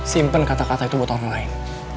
simpen kata kata itu buat orang lain